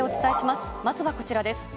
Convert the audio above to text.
まずはこちらです。